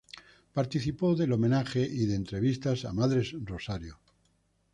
Participó del homenajes y de entrevistas a Madres Rosario.